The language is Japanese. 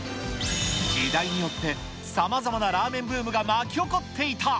時代によってさまざまなラーメンブームが巻き起こっていた。